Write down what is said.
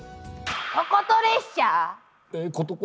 ことこと列車。